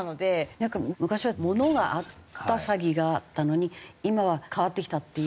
なんか昔は物があった詐欺があったのに今は変わってきたっていう。